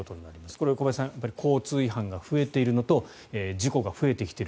これは小林さん交通違反が増えているのと事故が増えてきている。